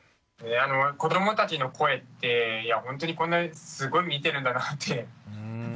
子どもたちの声っていやほんとにこんなすごい見てるんだなって思いました。